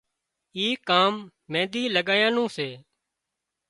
اي ڪام مينۮي لڳايا نُون سي